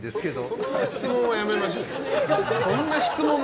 その質問はやめましょう。